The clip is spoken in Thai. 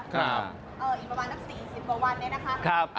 อีกประมาณสัก๔๐กว่าวันเนี่ยนะคะ